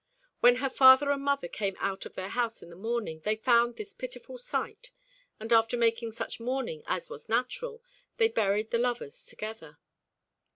When her father and mother came out of their house in the morning, they found this pitiful sight, and, after making such mourning as was natural, they buried the lovers together.